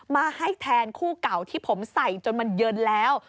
มาให้แทนคู่เก่าที่ผมใส่จนมันเย็นแล้ว